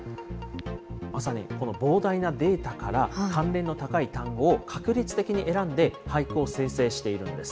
まさにこの膨大なデータから、関連の高い単語を確率的に選んで俳句を生成しているんです。